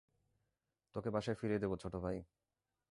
তোকে বাসায় ফিরিয়ে দেব, ছোট ভাই।